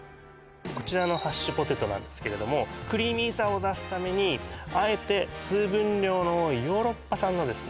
こちらのハッシュポテトなんですけれどもクリーミーさを出すためにあえて水分量の多いヨーロッパ産のですね